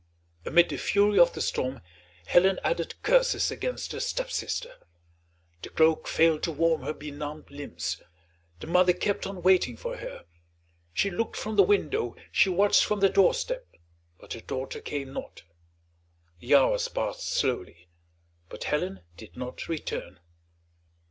Amid the fury of the storm Helen added curses against her stepsister. The cloak failed to warm her benumbed limbs. The mother kept on waiting for her; she looked from the window, she watched from the doorstep, but her daughter came not. The hours passed slowly, but Helen did not return.